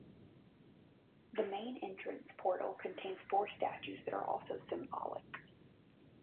The main entrance portal contains four statues that are also symbolic.